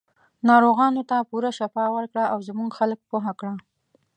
ناروغانو ته پوره شفا ورکړه او زموږ خلک پوه کړه.